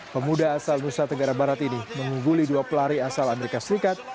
pemuda asal nusa tenggara barat ini mengungguli dua pelari asal amerika serikat